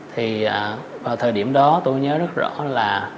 thì vào thời điểm đó tôi nhớ rất rõ là